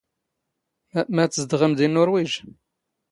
ⵎⴰ ⵜⵣⴷⵖⵎ ⴷⵉ ⵏⵏⵓⵕⵡⵉⵊ?